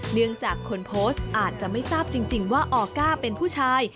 เนื่องจากคนโพสต์อาจจะไม่ทราบจริงว่าออก้าเป็นผู้ชาย